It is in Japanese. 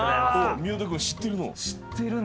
宮田君知ってるの？